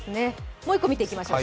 もう一個見ていきましょう。